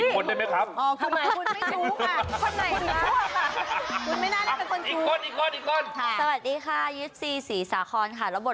เพิ่มกินคนได้ไหมครับ